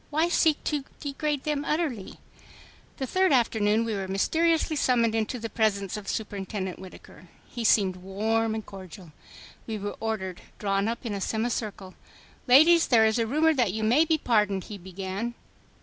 Why seek to degrade them utterly? The third afternoon we were mysteriously summoned into the presence of Superintendent Whittaker. He seemed warm and cordial. We were ordered drawn up in a semi circle. "Ladies, there is a rumor that you may be pardoned," he began.